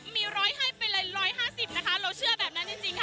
มีร้อยให้ไปเลย๑๕๐นะคะเราเชื่อแบบนั้นจริงค่ะ